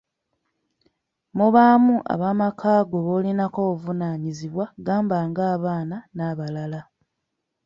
Mubaamu ab'amakaago b'olinako obuvunaanyizibwa gamba ng'abaana n'abalala.